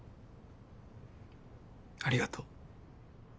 ありがとう。